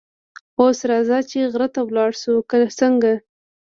اوس راځه چې غره ته ولاړ شو، که څنګه؟